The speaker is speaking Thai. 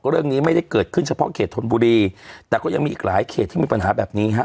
เรื่องนี้ไม่ได้เกิดขึ้นเฉพาะเขตธนบุรีแต่ก็ยังมีอีกหลายเขตที่มีปัญหาแบบนี้ฮะ